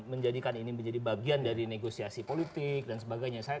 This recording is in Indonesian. menjadikan ini menjadi bagian dari negosiasi politik dan sebagainya